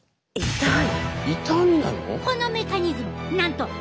痛い！